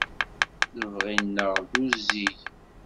Lebɣi-nneɣ d uzzig.